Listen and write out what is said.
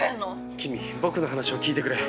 キミ僕の話を聞いてくれ。